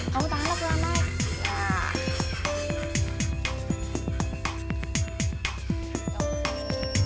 kamu tangannya pelan pelan